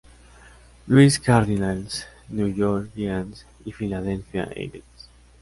Louis Cardinals, New York Giants y Philadelphia Eagles.